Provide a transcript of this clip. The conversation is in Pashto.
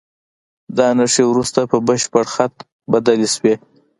دا نښې وروسته په بشپړ خط بدلې شوې.